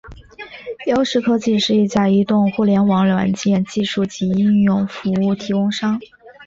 优视科技是一家移动互联网软件技术及应用服务提供商。